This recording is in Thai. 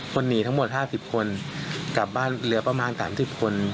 คนหนีทั้งหมดห้าสิบคนกลับบ้านเหลือประมาณสามสิบคน